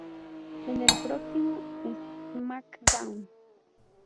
En el próximo SmackDown!